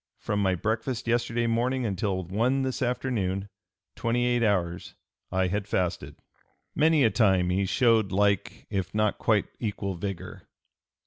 From my breakfast yesterday morning until one this afternoon, twenty eight hours, I had fasted." Many a time he showed like, if not quite equal vigor.